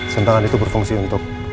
jam tangan itu berfungsi untuk